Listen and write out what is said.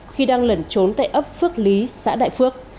khi đang lẩn trốn tại ấp phước lý xã đại phước